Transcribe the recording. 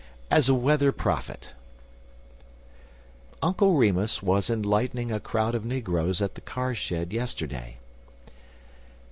XIX. AS A WEATHER PROPHET UNCLE REMUS was enlightening a crowd of negroes at the car shed yesterday.